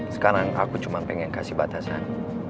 sekarang aku cuma pengen kasih batasan